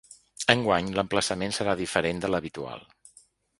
Enguany l’emplaçament serà diferent de l’habitual.